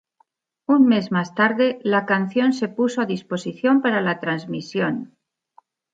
Un mes más tarde, la canción se puso a disposición para la transmisión.